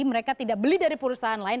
mereka tidak beli dari perusahaan lain